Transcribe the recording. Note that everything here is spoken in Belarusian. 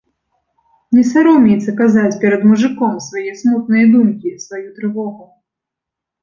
Не саромеецца казаць перад мужыком свае смутныя думкі, сваю трывогу.